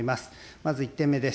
まず１点目です。